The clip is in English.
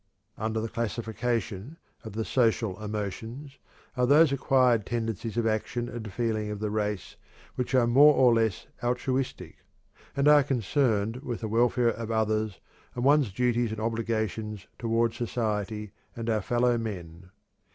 Under the classification of "the social emotions" are those acquired tendencies of action and feeling of the race which are more or less altruistic, and are concerned with the welfare of others and one's duties and obligations toward society and our fellow men.